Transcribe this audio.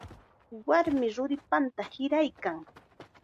Warmim ruripanta hiraykan.